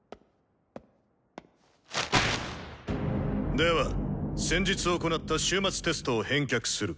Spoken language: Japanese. では先日行った終末テストを返却する。